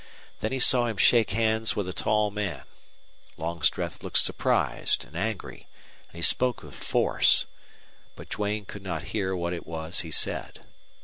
Then he saw him shake hands with a tall man. Longstreth looked surprised and angry, and he spoke with force; but Duane could not hear what it was he said.